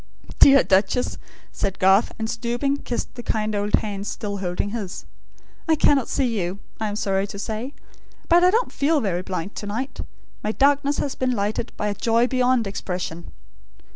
"Dear Duchess," said Garth, and stooping, kissed the kind old hands still holding his; "I cannot see you, I am sorry to say; but I don't feel very blind to night. My darkness has been lightened by a joy beyond expression."